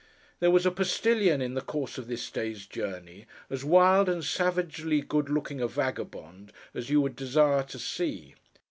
There was a postilion, in the course of this day's journey, as wild and savagely good looking a vagabond as you would desire to see.